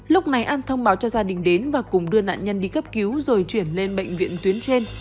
lúc này an thông báo cho gia đình đến và cùng đưa nạn nhân đi cấp cứu rồi chuyển lên bệnh viện tuyến trên